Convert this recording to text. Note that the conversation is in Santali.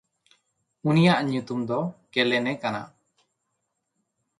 ᱩᱱᱤᱭᱟᱜ ᱧᱩᱛᱩᱢ ᱫᱚ ᱠᱮᱞᱮᱱᱮ ᱠᱟᱱᱟ᱾